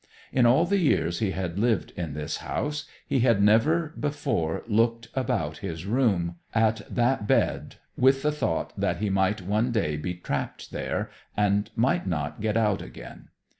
In all the years he had lived in this house he had never before looked about his room, at that bed, with the thought that he might one day be trapped there, and might not get out again.